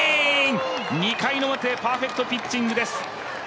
２回の表、パーフェクトピッチングです！